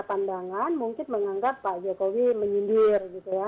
pandangan mungkin menganggap pak jokowi menyindir gitu ya